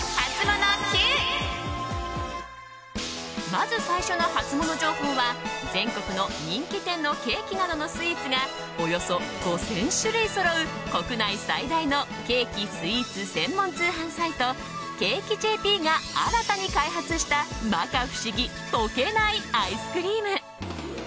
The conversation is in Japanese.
まず最初のハツモノ情報は全国の人気店のケーキなどのスイーツがおよそ５０００種類そろう国内最大のケーキ・スイーツ専門通販サイトＣａｋｅ．ｊｐが新たに開発した、摩訶不思議溶けないアイスクリーム。